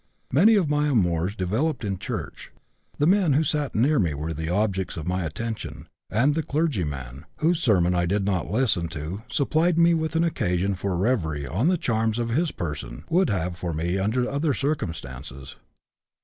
Many of my amours developed in church; the men who sat near me were the objects of my attention, and the clergyman, whose sermon I did not listen to, supplied me with an occasion for reverie on the charms his person would have for me under other circumstances.